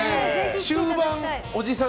終盤、おじさん